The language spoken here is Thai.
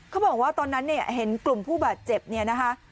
เขาบอกว่าตอนนั้นเนี่ยเห็นกลุ่มผู้บาดเจ็บเนี่ยนะคะ